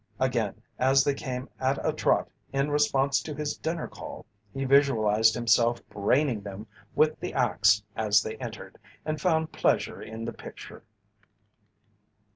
Again, as they came at a trot in response to his dinner call, he visualized himself braining them with the axe as they entered, and found pleasure in the picture.